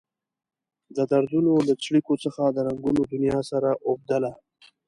د دردونو له څړیکو څخه د رنګونو دنيا سره اوبدله.